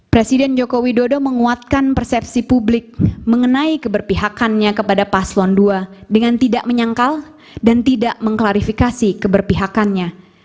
presiden jokowi dodo menguatkan persepsi publik mengenai keberpihakannya kepada paslon dua dengan tidak menyangkal dan tidak mengklarifikasi keberpihakannya